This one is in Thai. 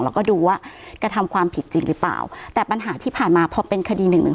แล้วก็ดูว่ากระทำความผิดจริงหรือเปล่าแต่ปัญหาที่ผ่านมาพอเป็นคดีหนึ่งหนึ่ง